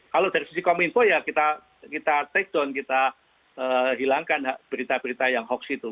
kalau dari sisi kominfo ya kita take down kita hilangkan berita berita yang hoax itu